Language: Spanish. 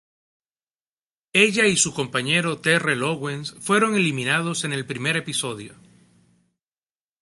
Ella y su compañero Terrell Owens fueron eliminados en el primer episodio.